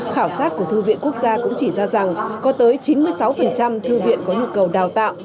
khảo sát của thư viện quốc gia cũng chỉ ra rằng có tới chín mươi sáu thư viện có nhu cầu đào tạo